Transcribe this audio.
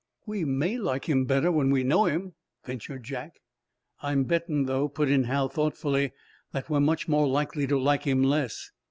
"We may like him better when we know him," ventured Jack. "I'm betting though," put in Hal, thoughtfully, "that we're much more likely to like him less."